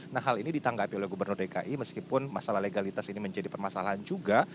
nah hal ini ditanggapi oleh gubernur dki meskipun masalah legalitas ini menjadi permasalahan juga